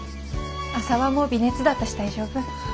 朝はもう微熱だったし大丈夫。